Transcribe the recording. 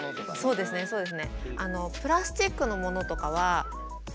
そうですそうです。